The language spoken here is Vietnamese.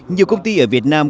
nhiều công ty ở việt nam